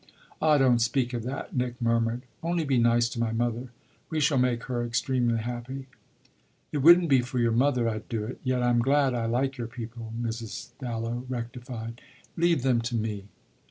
"Ah don't speak of that," Nick murmured. "Only be nice to my mother. We shall make her supremely happy." "It wouldn't be for your mother I'd do it yet I'm glad I like your people," Mrs. Dallow rectified. "Leave them to me!"